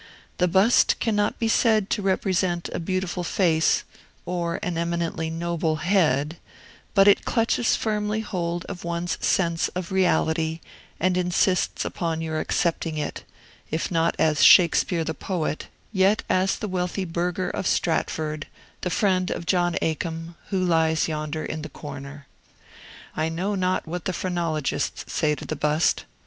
The bust cannot be said to represent a beautiful face or an eminently noble head; but it clutches firmly hold of one's sense of reality and insists upon your accepting it, if not as Shakespeare the poet, yet as the wealthy burgher of Stratford, the friend of John a' Combe, who lies yonder in the corner. I know not what the phrenologists say to the bust.